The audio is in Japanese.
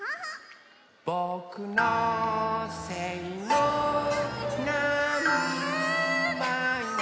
「ぼくのせいのなんばいも」